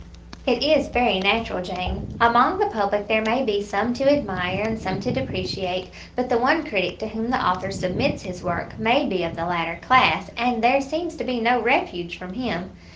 "It is very natural, Jane. Among the public there may be some to admire, and some to depreciate; but the one critic to whom the author submits his work may be of the latter class, and there seems to be no refuge from him.